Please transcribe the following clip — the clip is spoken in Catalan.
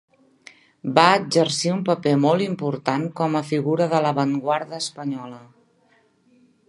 Va exercir un paper molt important com a figura de l'avantguarda espanyola.